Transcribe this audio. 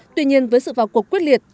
tuy nhiên với sự vào cuộc quyết liệt